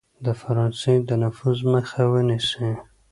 د فرانسې د نفوذ مخه ونیسي.